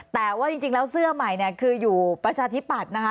แต่ว่าจริงแล้วเสื้อใหม่เนี่ยคืออยู่ประชาธิปัตย์นะคะ